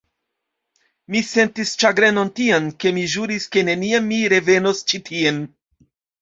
Mi sentis ĉagrenon tian, ke mi ĵuris, ke neniam mi revenos ĉi tien.